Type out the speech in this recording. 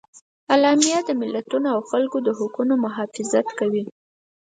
اعلامیه د ملتونو او خلکو د حقونو محافظت کوي.